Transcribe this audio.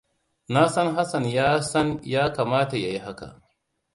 Na san Hassan ya san ya kamata ya yi haka.